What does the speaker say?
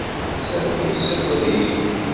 Sami yessaggad-iyi.